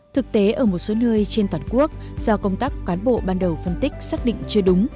thực tế ở một số nơi trên toàn quốc do công tác cán bộ ban đầu phân tích xác định chưa đúng